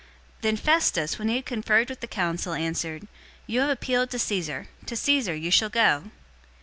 025:012 Then Festus, when he had conferred with the council, answered, "You have appealed to Caesar. To Caesar you shall go."